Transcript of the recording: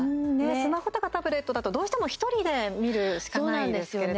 スマホとかタブレットだとどうしても１人で見るしかないですけど。